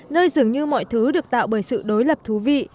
nơi dường như mọi thứ được tạo bởi sự đối lập thú vị